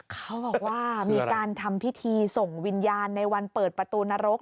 เขาบอกว่ามีการทำพิธีส่งวิญญาณในวันเปิดประตูนรก